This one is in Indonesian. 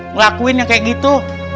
melakuin yang kayak gitu